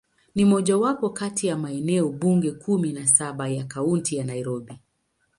Ni mojawapo kati ya maeneo bunge kumi na saba ya Kaunti ya Nairobi.